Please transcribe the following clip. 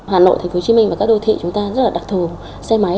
hà nội tp hcm và các đô thị chúng ta rất là đặc thù xe máy